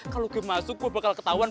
kalau gue masuk gue bakal ketahuan